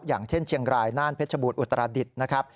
อย่างเช่นเชียงรายน่านเพชรบูรอุตราดิษฐ์นะครับ